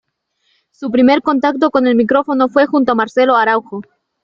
Su primer contacto con el micrófono fue junto a Marcelo Araujo.